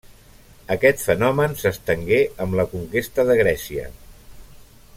Aquest fenomen s'estengué amb la conquesta de Grècia.